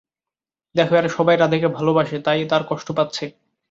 দেখো, এরা সবাই রাধেকে ভালোবাসে তাই তার কষ্ট পাচ্ছে।